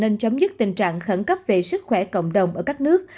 các quan chức là nên chấm dứt tình trạng khẩn cấp về sức khỏe cộng đồng ở các nước